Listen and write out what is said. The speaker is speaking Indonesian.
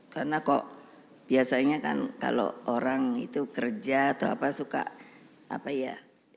karena kok biasanya kan kalau orang itu kerja atau apa suka apa ya